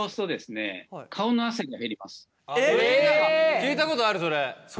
聞いたことあるそれ。